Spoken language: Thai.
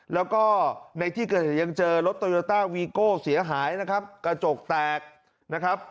แล้วก็ในที่เกิดเหตุยังเจอรถโตโยต้าวีโก้เสียหายนะครับกระจกแตกนะครับ